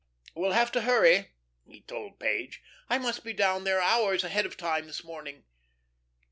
"We'll have to hurry," he told Page. "I must be down there hours ahead of time this morning."